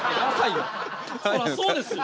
そらそうですよ。